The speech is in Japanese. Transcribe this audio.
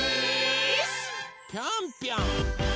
ぴょんぴょん！